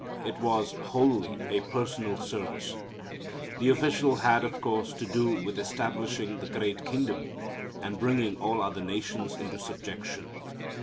It was wholly a personal service. The official had, of course, to do with establishing the great kingdom and bringing all other nations into subjection.